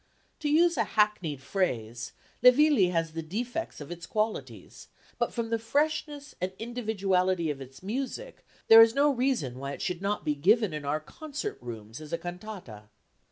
To use a hackneyed phrase, Le Villi has the defects of its qualities, but from the freshness and individuality of its music there is no reason why it should not be given in our concert rooms as a cantata.